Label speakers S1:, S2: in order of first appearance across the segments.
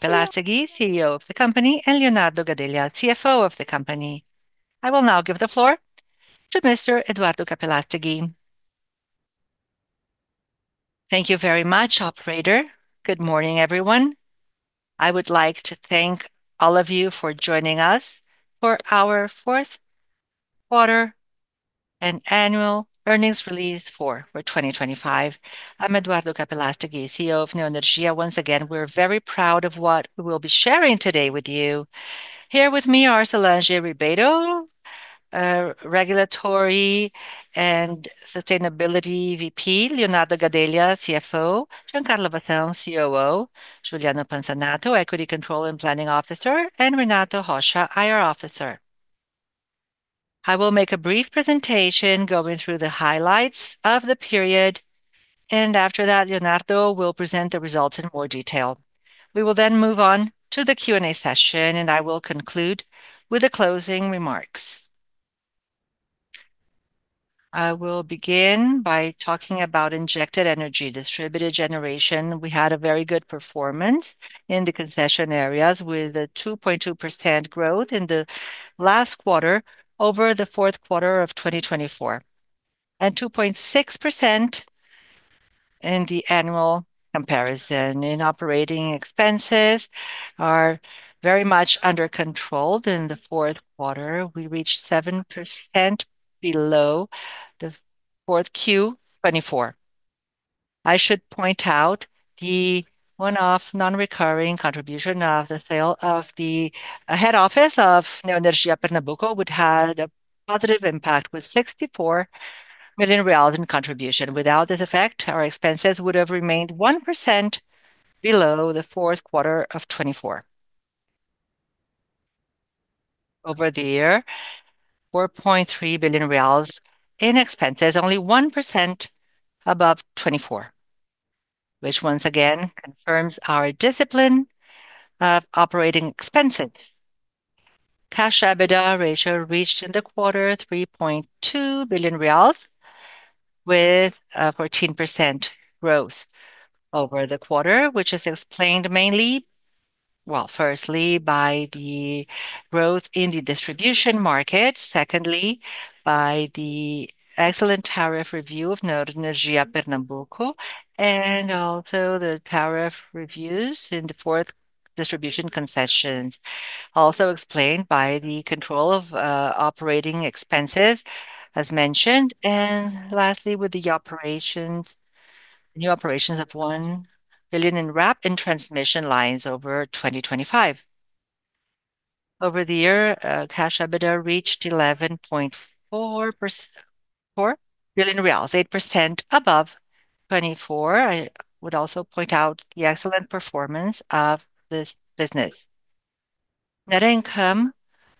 S1: Capelastegui, CEO of the company, and Leonardo Gadelha, CFO of the company. I will now give the floor to Mr. Eduardo Capelastegui.
S2: Thank you very much, operator. Good morning, everyone. I would like to thank all of you for joining us for our fourth quarter and annual earnings release for 2025. I'm Eduardo Capelastegui, CEO of Neoenergia. Once again, we're very proud of what we'll be sharing today with you. Here with me are Solange Ribeiro, Regulatory and Sustainability VP, Leonardo Gadelha, CFO, Giancarlo Souza, COO, Juliano Pansanato, Equity Control and Planning Officer, and Renato Rocha, IR Officer. I will make a brief presentation going through the highlights of the period, and after that, Leonardo will present the results in more detail. We will then move on to the Q&A session, and I will conclude with the closing remarks. I will begin by talking about injected energy, distributed generation. We had a very good performance in the concession areas, with a 2.2% growth in the last quarter over the fourth quarter of 2024, and 2.6% in the annual comparison. In operating expenses are very much under control. In the fourth quarter, we reached 7% below the fourth Q, 2024. I should point out the one-off, non-recurring contribution of the sale of the, head office of Neoenergia Pernambuco, which had a positive impact, with BRL 64 million in contribution. Without this effect, our expenses would have remained 1% below the fourth quarter of 2024. Over the year, 4.3 billion reais in expenses, only 1% above 2024, which once again confirms our discipline of operating expenses. Cash EBITDA ratio reached in the quarter 3.2 billion reais, with 14% growth over the quarter, which is explained mainly... Well, firstly, by the growth in the distribution market. Secondly, by the excellent tariff review of Neoenergia Pernambuco, and also the tariff reviews in the fourth distribution concessions. Also explained by the control of operating expenses, as mentioned. And lastly, with the operations, new operations of 1 billion in RAP in transmission lines over 2025. Over the year, cash EBITDA reached 11.4 billion BRL, 8% above 2024. I would also point out the excellent performance of this business. Net income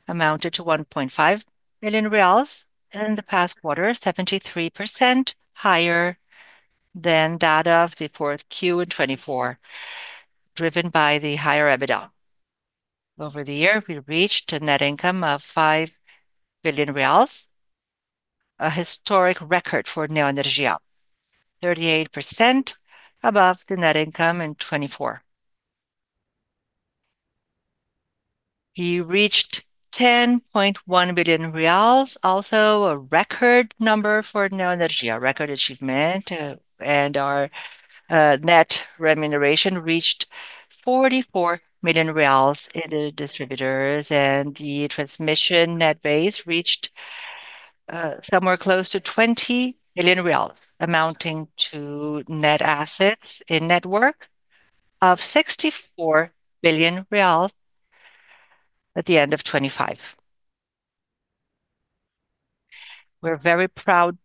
S2: amounted to 1.5 billion reais in the past quarter, 73% higher than that of the fourth Q in 2024, driven by the higher EBITDA. Over the year, we reached a net income of 5 billion reais, a historic record for Neoenergia, 38% above the net income in 2024. We reached BRL 10.1 billion, also a record number for Neoenergia, a record achievement. And our net remuneration reached 44 million reais in the distributors, and the transmission net base reached somewhere close to 20 billion reais, amounting to net assets in network of 64 billion reais at the end of 2025. We're very proud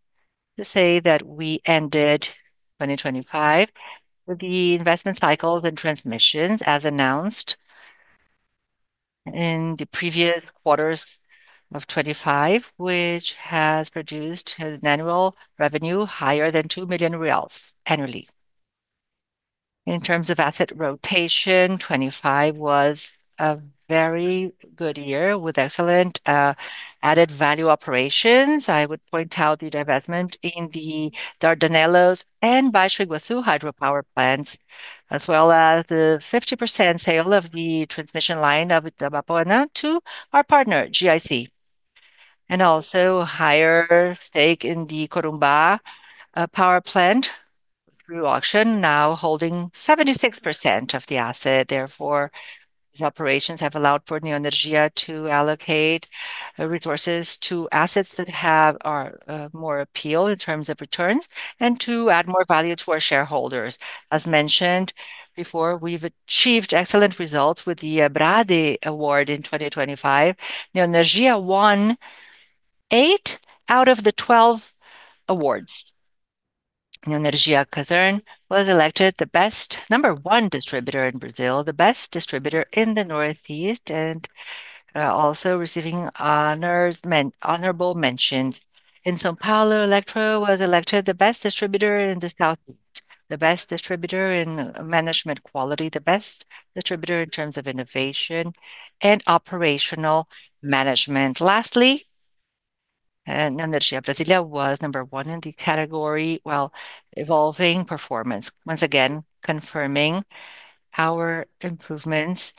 S2: to say that we ended 2025 with the investment cycle in transmissions, as announced in the previous quarters of 2025, which has produced an annual revenue higher than 2 million reais annually. In terms of asset rotation, 2025 was a very good year, with excellent added value operations. I would point out the divestment in the Dardanelos and Baixo Iguaçu hydropower plants, as well as the 50% sale of the transmission line of Itabapoana to our partner, GIC, and also higher stake in the Corumbá power plant through auction, now holding 76% of the asset. Therefore, these operations have allowed for Neoenergia to allocate resources to assets that have more appeal in terms of returns and to add more value to our shareholders. As mentioned before, we've achieved excellent results with the ABRADEE Award in 2025. Neoenergia won eight out of the 12 awards. Neoenergia Coelba was elected the best, number one distributor in Brazil, the best distributor in the northeast, and also receiving honorable mentions. In São Paulo, Elektro was elected the best distributor in the southeast, the best distributor in management quality, the best distributor in terms of innovation and operational management. Lastly, Energia Brasília was number one in the category, well, evolving performance, once again, confirming our improvements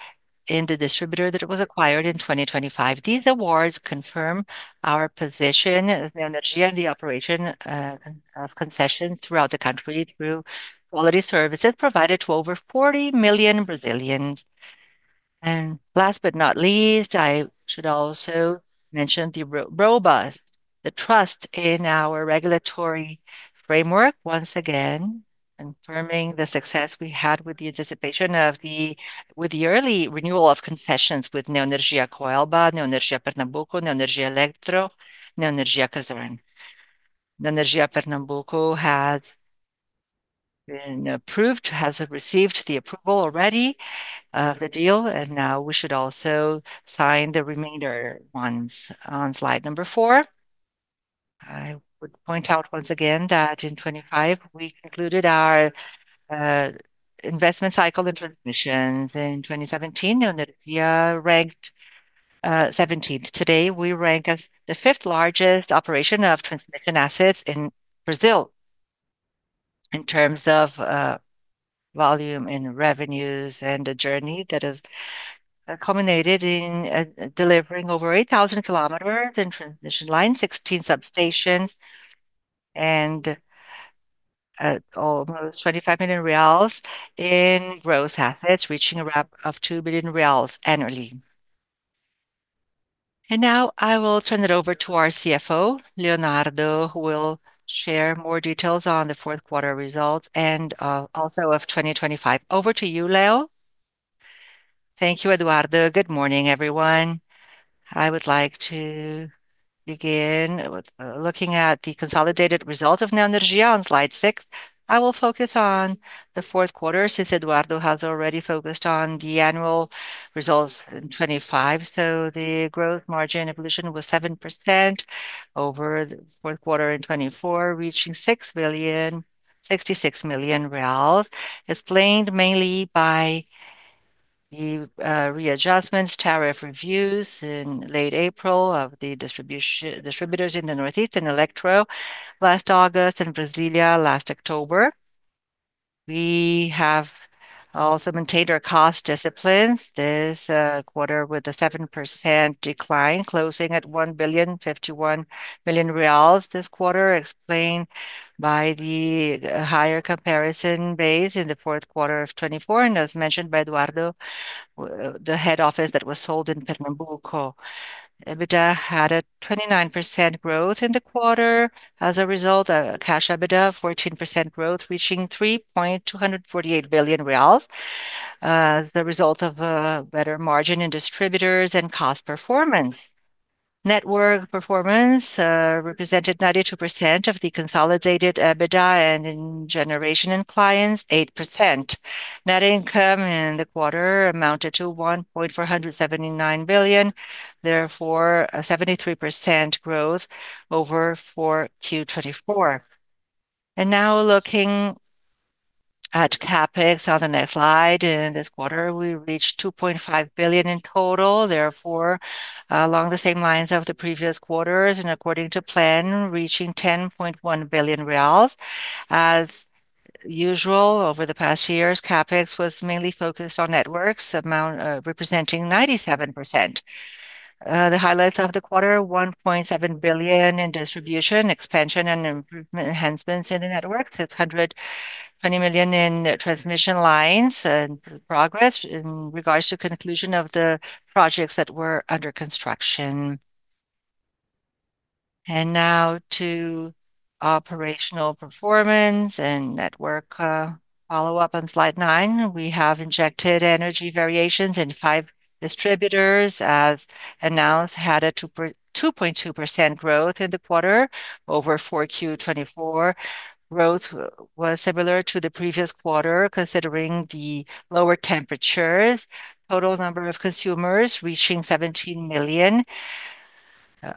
S2: in the distributor that was acquired in 2025. These awards confirm our position as the energy and the operation of concessions throughout the country through quality services provided to over 40 million Brazilians. Last but not least, I should also mention the robust, the trust in our regulatory framework, once again, confirming the success we had with the anticipation of the with the early renewal of concessions with Neoenergia Coelba, Neoenergia Pernambuco, Neoenergia Elektro, Neoenergia Cosern. Neoenergia Pernambuco has been approved, has received the approval already, the deal, and now we should also sign the remainder ones. On Slide 4, I would point out once again that in 2025, we concluded our investment cycle in transmissions. In 2017, Neoenergia ranked 17th. Today, we rank as the 5th largest operation of transmission assets in Brazil in terms of volume and revenues, and a journey that has culminated in delivering over 8,000 kilometers in transmission lines, 16 substations, and almost 25 million reais in gross assets, reaching a RAP of 2 billion reais annually. Now I will turn it over to our CFO, Leonardo, who will share more details on the fourth quarter results and also of 2025. Over to you, Leo.
S3: Thank you, Eduardo. Good morning, everyone. I would like to begin with looking at the consolidated results of Neoenergia on Slide 6. I will focus on the fourth quarter, since Eduardo has already focused on the annual results in 2025. So the growth margin evolution was 7% over the fourth quarter in 2024, reaching 6,066 million reais, explained mainly by the readjustments, tariff reviews in late April of the distributors in the Northeast and Elektro last August and Brasília last October. We have also maintained our cost disciplines this quarter, with a 7% decline, closing at 1,051 million reais this quarter, explained by the higher comparison base in the fourth quarter of 2024. And as mentioned by Eduardo, the head office that was sold in Pernambuco. EBITDA had a 29% growth in the quarter. As a result, Cash EBITDA, 14% growth, reaching 3.248 billion reais, the result of a better margin in distributors and cost performance. Network performance represented 92% of the consolidated EBITDA, and in generation and clients, 8%. Net income in the quarter amounted to 1.479 billion, therefore, a 73% growth over for Q 2024. Now looking at CapEx on the next slide. In this quarter, we reached 2.5 billion in total, therefore, along the same lines of the previous quarters, and according to plan, reaching BRL 10.1 billion. As usual, over the past years, CapEx was mainly focused on networks, amount representing 97%. The highlights of the quarter, 1.7 billion in distribution, expansion, and improvement enhancements in the networks. It's 120 million in transmission lines and progress in regards to conclusion of the projects that were under construction. Now to operational performance and network, follow-up on Slide 9. We have injected energy variations, and five distributors, as announced, had a 2.2% growth in the quarter over 4Q 2024. Growth was similar to the previous quarter, considering the lower temperatures. Total number of consumers reaching 17 million,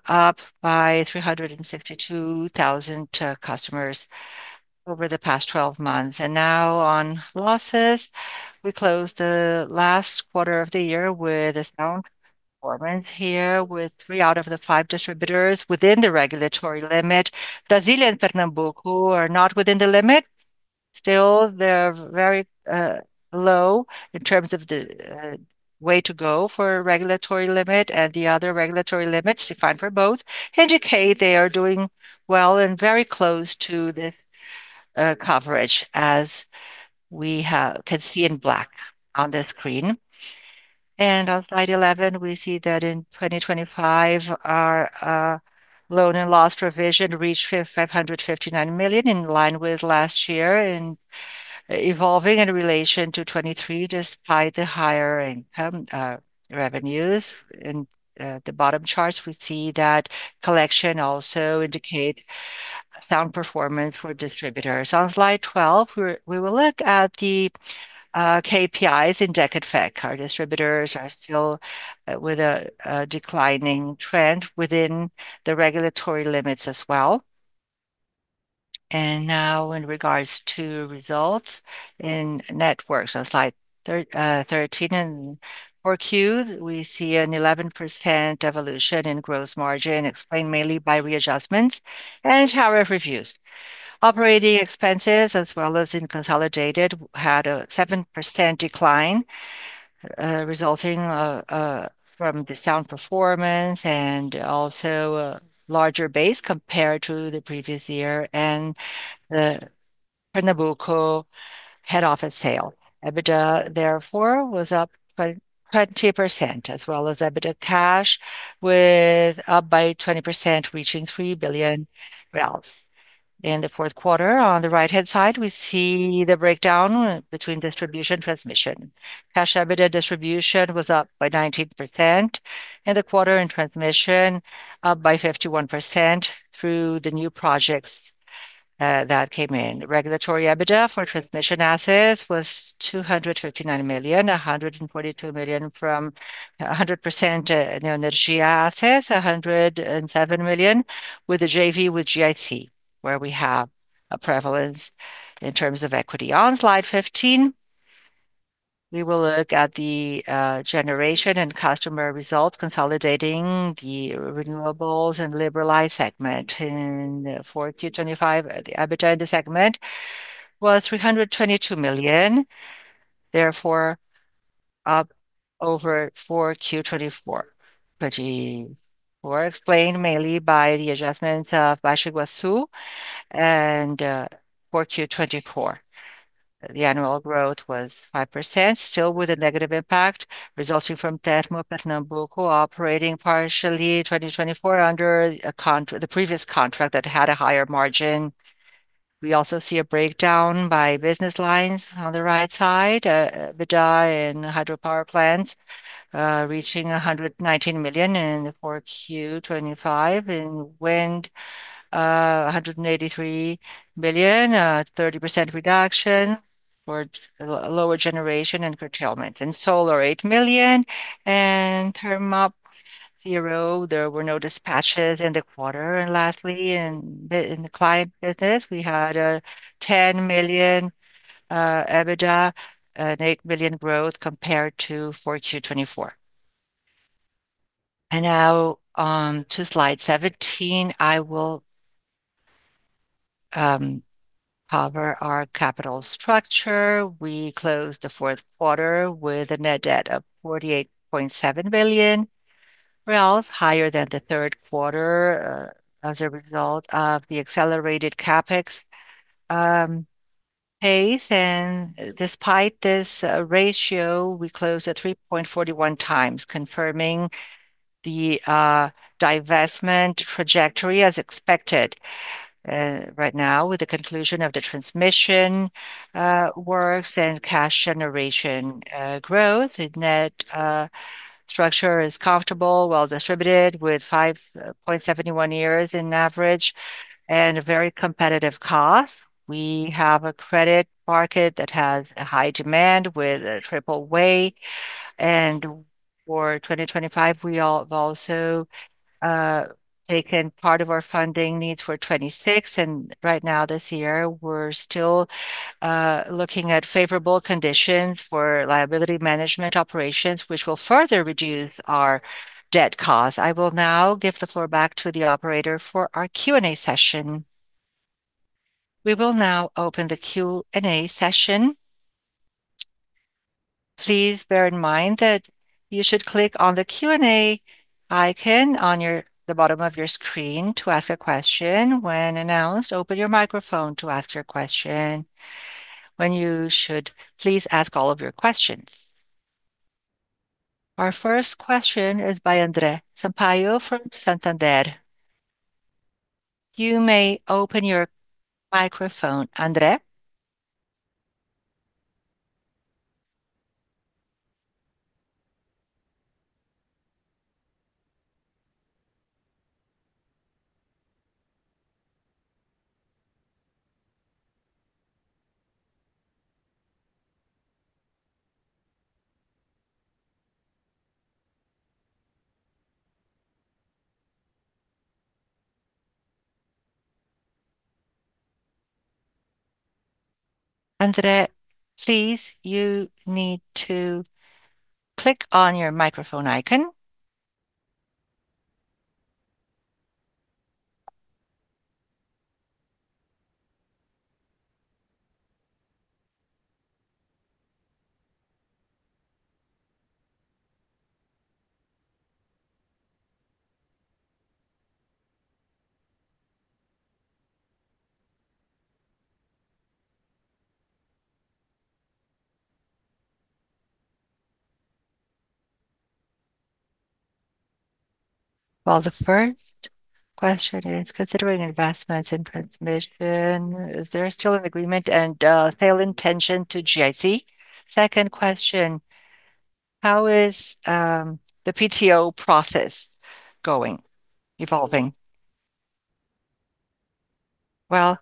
S3: up by 362,000 customers over the past 12 months. Now on losses, we closed the last quarter of the year with a sound performance here, with three out of the five distributors within the regulatory limit. Brasília and Pernambuco are not within the limit. Still, they're very low in terms of the way to go for regulatory limit, and the other regulatory limits defined for both indicate they are doing well and very close to this coverage, as we can see in black on the screen. On Slide 11, we see that in 2025, our loan and loss provision reached 559 million, in line with last year, and evolving in relation to 2023, despite the higher income revenues. In the bottom charts, we see that collection also indicate sound performance for distributors. On Slide 12, we will look at the KPIs in DEC and FEC. Our distributors are still with a declining trend within the regulatory limits as well. Now in regards to results in networks on slide thirteen, and for Q, we see an 11% evolution in gross margin, explained mainly by readjustments and tariff reviews. Operating expenses, as well as in consolidated, had a 7% decline, resulting from the sound performance and also a larger base compared to the previous year, and the Pernambuco head office sale. EBITDA, therefore, was up by 20%, as well as EBITDA cash, with up by 20%, reaching 3 billion. In the fourth quarter, on the right-hand side, we see the breakdown between distribution, transmission. Cash EBITDA distribution was up by 19%, and the quarter in transmission up by 51% through the new projects that came in. Regulatory EBITDA for transmission assets was 259 million, 142 million from 100%, Neoenergia assets, 107 million, with a JV with GIC, where we have a prevalence in terms of equity. On slide 15, we will look at the generation and customer results, consolidating the renewables and liberalized segment. In 4Q25, the EBITDA in the segment was 322 million, therefore, up over 4Q24. But we were explained mainly by the adjustments of Baixo Iguaçu and 4Q24. The annual growth was 5%, still with a negative impact, resulting from Termo Pernambuco operating partially in 2024 under a contract—the previous contract that had a higher margin. We also see a breakdown by business lines on the right side, EBITDA in hydropower plants reaching 119 million in 4Q 2025. In wind, 183 million, 30% reduction for lower generation and curtailment. In solar, 8 million, and Termo, 0, there were no dispatches in the quarter. Lastly, in the client business, we had 10 million EBITDA and 8 million growth compared to 4Q 2024. Now, on to slide 17, I will cover our capital structure. We closed the fourth quarter with a net debt of 48.7 billion, higher than the third quarter, as a result of the accelerated CapEx pace. And despite this ratio, we closed at 3.41 times, confirming the divestment trajectory as expected. Right now, with the conclusion of the transmission works and cash generation growth, the net structure is comfortable, well-distributed, with 5.71 years in average, and a very competitive cost. We have a credit market that has a high demand with a triple-A. For 2025, we all have also taken part of our funding needs for 2026, and right now, this year, we're still looking at favorable conditions for liability management operations, which will further reduce our debt cost. I will now give the floor back to the operator for our Q&A session.
S1: We will now open the Q&A session. Please bear in mind that you should click on the Q&A icon on the bottom of your screen to ask a question. When announced, open your microphone to ask your question, when you should please ask all of your questions. Our first question is by Andre Sampaio from Santander. You may open your microphone, Andre. Andre, please, you need to click on your microphone icon.
S4: Well, the first question is: considering investments in transmission, is there still an agreement and sale intention to GIC? Second question: How is the PTO process going, evolving?
S2: Well,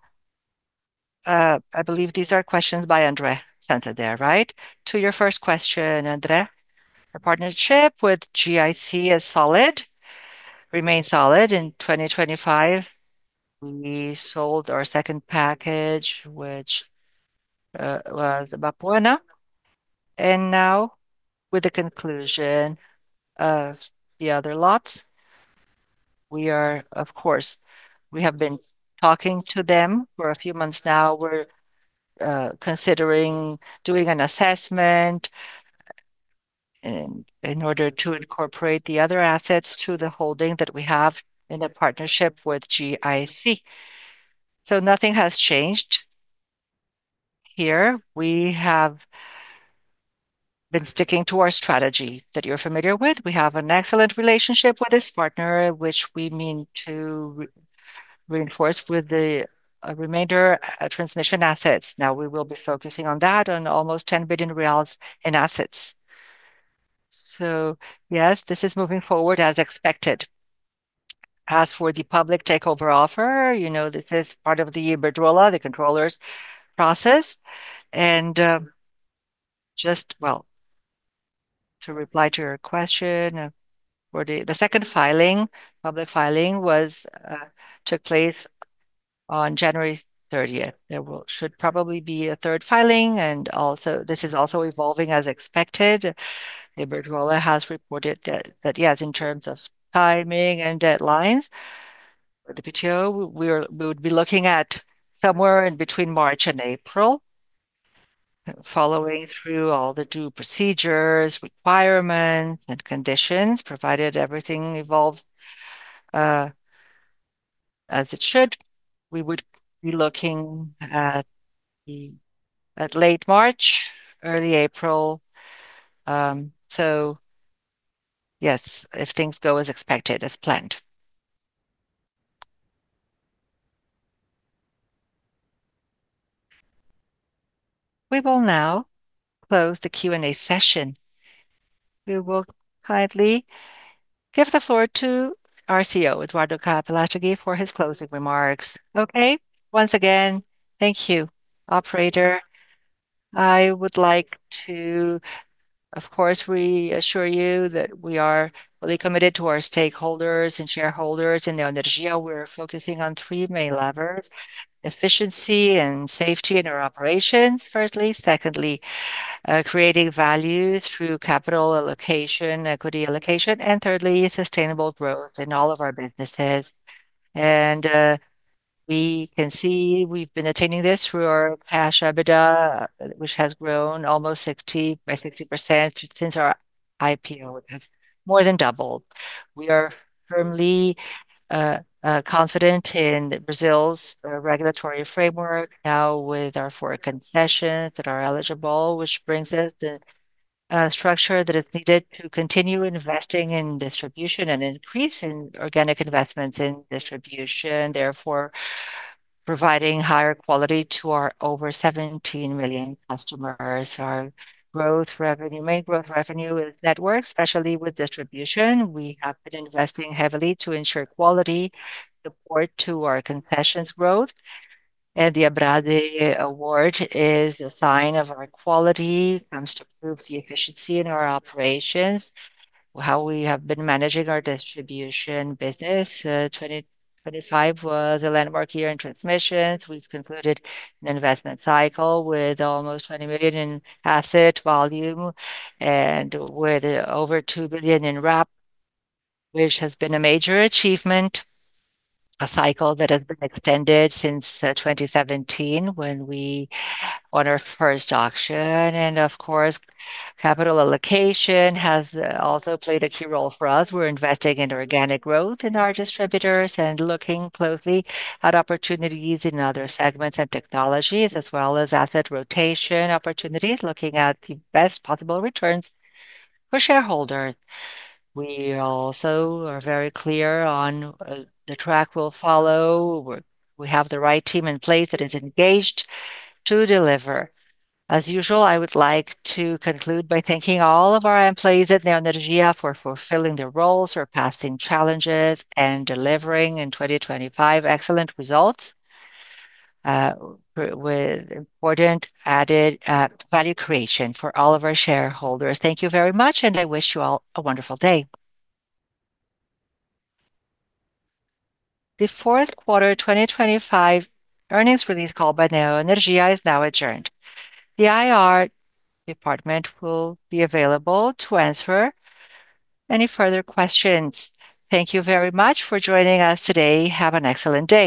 S2: I believe these are questions by Andre Santander, right? To your first question, Andre, our partnership with GIC is solid, remains solid. In 2025, we sold our second package, which was Bapuena. And now, with the conclusion of the other lots, we are, of course, we have been talking to them for a few months now. We're considering doing an assessment in order to incorporate the other assets to the holding that we have in the partnership with GIC. So nothing has changed. Here, we have been sticking to our strategy that you're familiar with. We have an excellent relationship with this partner, which we mean to reinforce with the remainder transmission assets. Now, we will be focusing on that, on almost 10 billion reais in assets. So yes, this is moving forward as expected. As for the public takeover offer, you know, this is part of the Iberdrola, the controllers process, and just... Well, to reply to your question, for the second filing, public filing took place on January 30th. There should probably be a third filing, and also, this is also evolving as expected. Iberdrola has reported that, yes, in terms of timing and deadlines for the PTO, we are, we would be looking at somewhere in between March and April. Following through all the due procedures, requirements, and conditions, provided everything evolves as it should, we would be looking at late March, early April. So yes, if things go as expected, as planned.
S1: We will now close the Q&A session. We will kindly give the floor to our CEO, Eduardo Capelastegui, for his closing remarks.
S2: Okay? Once again, thank you, operator. I would like to, of course, reassure you that we are fully committed to our stakeholders and shareholders. In Neoenergia, we're focusing on three main levers: efficiency and safety in our operations, firstly, secondly, creating value through capital allocation, equity allocation, and thirdly, sustainable growth in all of our businesses. We can see we've been attaining this through our cash EBITDA, which has grown almost 60, by 60% since our IPO, has more than doubled. We are firmly confident in Brazil's regulatory framework now with our four concessions that are eligible, which brings us the structure that is needed to continue investing in distribution and increase in organic investments in distribution, therefore, providing higher quality to our over 17 million customers. Our growth revenue, main growth revenue is networks, especially with distribution. We have been investing heavily to ensure quality support to our concessions growth. And the ABRADEE Award is a sign of our quality, comes to prove the efficiency in our operations, how we have been managing our distribution business. 2025 was a landmark year in transmissions. We've concluded an investment cycle with almost 20 million in asset volume and with over 2 billion in RAP, which has been a major achievement, a cycle that has been extended since 2017 when we won our first auction. And of course, capital allocation has also played a key role for us. We're investing in organic growth in our distributors and looking closely at opportunities in other segments and technologies, as well as asset rotation opportunities, looking at the best possible returns for shareholders. We also are very clear on the track we'll follow. We, we have the right team in place that is engaged to deliver. As usual, I would like to conclude by thanking all of our employees at Neoenergia for fulfilling their roles, surpassing challenges, and delivering in 2025 excellent results, with important added value creation for all of our shareholders. Thank you very much, and I wish you all a wonderful day. The fourth quarter 2025 earnings release call by Neoenergia is now adjourned. The IR department will be available to answer any further questions. Thank you very much for joining us today. Have an excellent day.